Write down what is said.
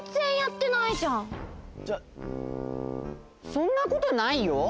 そんなことないよ。